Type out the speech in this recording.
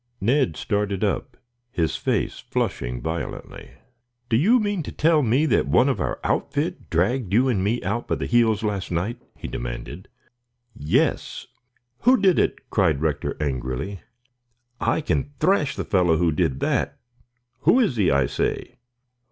Ned started up, his face flushing violently. "Do you mean to tell me that one of our outfit dragged you and me out by the heels last night?" he demanded. "Yes!" "Who did it?" cried Rector angrily. "I can thrash the fellow who did that. Who is he, I say?"